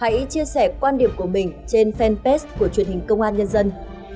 hãy chia sẻ quan điểm của mình trên fanpage của truyền hình công an nhân dân